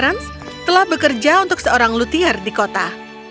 sekarang putra ketiga clarence telah bekerja untuk seorang luthier di kota